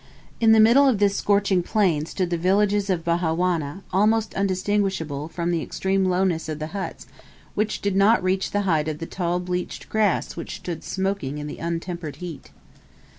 In the middle of this scorching plain stood the villages of Bihawana, almost undistinguishable, from the extreme lowness of the huts, which did not reach the height of the tall bleached grass which stood smoking in the untempered heat.